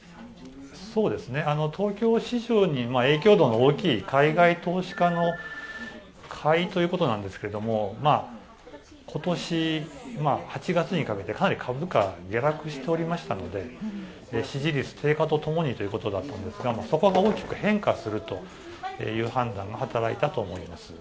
東京市場に影響度の大きい、海外投資家の買いということなんですけども今年８月にかけてかなり株価が下落しておりましたので、支持率低下とともにということだったんですけどそこは大きく変化するという判断が働いたと思います。